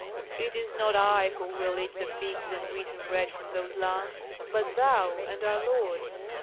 It is not I who will eat the figs and wheaten bread from those lands, but thou and our lord.